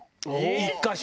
１か所。